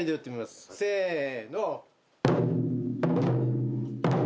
せの。